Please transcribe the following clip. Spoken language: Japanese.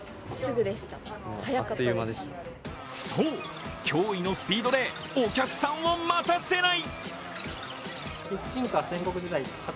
そう、驚異のスピードでお客さんを待たせない。